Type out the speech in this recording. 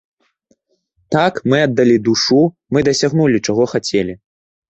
Так, мы аддалі душу, мы дасягнулі, чаго хацелі.